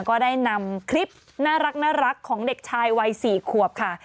ก็ได้นำคลิปน่ารักของเด็กชายวัย๔ขวบค่ะ